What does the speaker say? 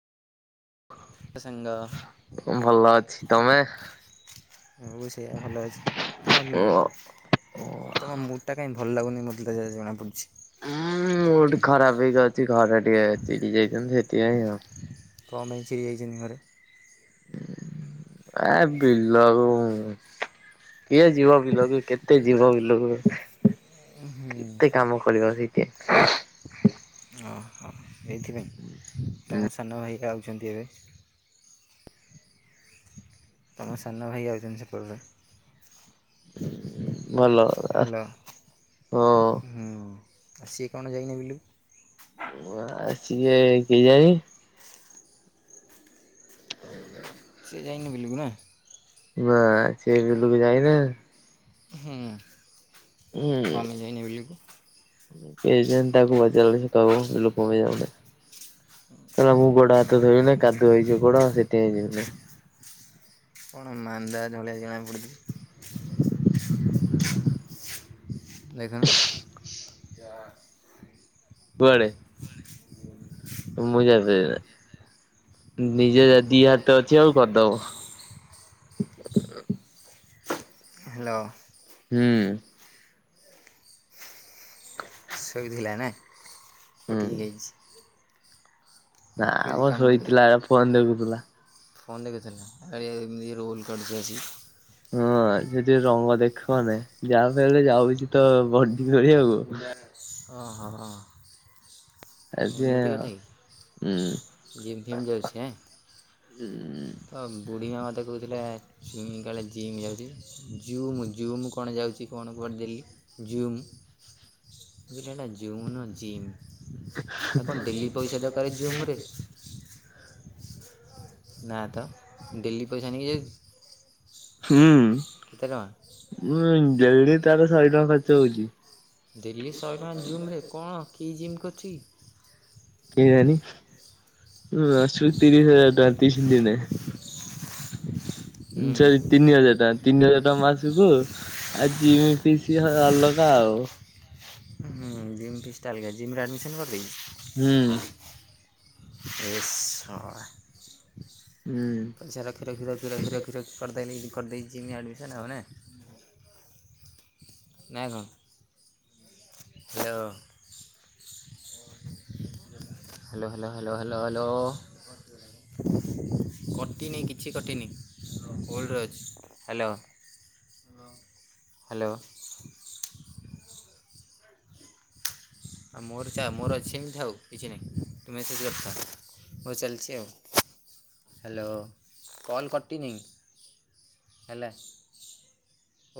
ସାଙ୍ଗ ଭଲ ଅଛି ତମେ? ମୁଁ ବି ସେଇଆ ଭଲ ଅଛି ତମ ଉଁ ତମ ମୁଁଡ୍‌ କାଇଁ ଭଲ ଲାଗୁନି ମତେ ଜଣାପଡୁଛି। ଉୁଁ ମୁଁଡ଼୍ ଖରାପ ହେଇକି ଅଛି ଘରେ ଟିକେ ଚିଡି ଯାଇଚନ୍ତି ସେଥିପାଇଁ ଆଉ। କଣ ପାଇଁ ଚିଡି ଯାଇଚନ୍ତି ଘରେ? ଏ ବିଲକୁ କିଏ ଯିବ ବିଲକୁ କେତେ ଯିବ ବିଲକୁ। କେତେ କାମ କରିବ ସେଠି। ଓହୋ। ସେଇଥି ପାଇଁ ତମ ସାନ ଭାଇକା ଆଉଛନ୍ତି ଏବେ। ତମ ସାନ ଭାଇ ଆଉଚନ୍ତି ସେପର୍ଟରେ। ଭଲ ହଁ ହ୍ୟାଲୋ ସେ କଣ ଯାଇନି ବିଲକୁ ସିଏ କେଜାଣି। [inaudible] ଯାଇନୁ ବିଲକୁୁ ନା। ନା ସେ ବିଲକୁ ଯାଇନିହାନ୍ତି। ହୁଁ। ହୁଁ କମେ ଯାଇନି ବିଲକୁ କେଜାଣି ତାକୁ ପଚାରିଲେ ସେ ଦବ ଲୋକ [unintelligible] କହିଲା ମୁଁ ଗୋଡ ହାତ ଧୋଇବିନି କାଦୁଅ ହେଇଯିବ ଗୋଡ ସେଥିପାଇଁ ଯିବିନି। କଣ ମାନ୍ଦା ଧଳିଆ ଜଣାପଡ଼ୁଚି। [unintelligible] କୁଆଡ଼େ। ମୁଁ [unintelligible] ନିଜେ ଯ ଦି ହାତ ଅଛି ଆଉ କରିଦବ। ହ୍ୟାଲୋ। ହୁଁ। ଶୋଇ ଥିଲା ନା ହୁଁ ଉଠିକି ଆଇଚି। ନା ମ କେଲି କାମ କରିବ। ଶୋଇଥିଲା ଫୋନ ଦେଖୁଥିଲା। ଫୋନ ଦେ [unintelligible] ଏମିତି ରୋଲ କରୁଚି ଆସିଚି। ହଁ ସେଠି ରଙ୍ଗ ଦେଖଉନି ଯାହା ହେଲେ ଯାଉଛି ତ ବଣ୍ଡି କରିବାକୁ। ଓ, ହୋ, ହଁ। ଜିମ୍ ଫିମ୍ ଯାଉଛି ହେଁ [unintelligible] ତ ବୁଢ଼ୀ ମାଆ ମୋତେ କହୁଥିଲା ସୁଇମିଙ୍ଗ କାଳେ ଜିମ୍ ଯାଉଚି ଜୁମ୍ ଜୁମ୍ କ ଯାଉଚି କଣ ଡେଲି। [unintelligible] ଦଟା ଜୁମ୍ ନା ଜିମ୍ ଏଖଣ ଡେଲି ପଇସା ଦରକାର ଜୁମରେ। ନା ତ ଡେଲି ପଇସା ନେଇକି କେତେ ଟଙ୍କା? ହୁଁ ଡେଲି ତାର ଶହେ ଟଙ୍କା ଖର୍ଚ୍ଚ ହଉଛି। ଡେଲି ଶହେ ଟଙ୍କା କଣ କି ଜିମ୍ କରୁଚୁ କି? କେଆଣୀ? ହୁଁ ମାସ କୁ ତିରିଶି ହଜାର ଟଙ୍କା ତିରିଶି ଦିନ ରେ। ସରି ତିନି ହଜାର ଟଙ୍କା ତିନି ହଜାର ଟଙ୍କା ମାସକୁ ଆଉ ଜିମ୍ ଫିଶି ଥି ଅଲଗା ଆଉ। ହୁଁ ଜିମ୍ ଫଷ୍ଟା ଅଲଗ ଜିମ ଆଡ଼ମିଶନ୍ କରିଦେଇ। ହୁଁ। ଏ ଶଳା। ହୁଁ। ପଇସା ରଖି ରଖି ରଖି ରଖି ରଖି ରଖି କରିଦେଲି କରିଦେଇଛି ଜିମି ଆଡ଼ମିଶନ ଆଉ ହେଁ। ନାଇଁ ହଁ hello. Hello hello hello hello hello. କଟିନି କିଛି କଟିନି ହୋଲ୍ଡ ରେ ଅଛି। Hello hello. ଆଉ ମୋର ଚା ମୋର ଏସିନ୍ ଥାଉ କିଛି ନାହିଁ ତୁ ମେସେଜ୍ ଦଥା। ହଉ ଚାଲିଛି ଆଉ ହ୍ୟାଲୋ କଲ୍ କଟିନି। ହେଲା।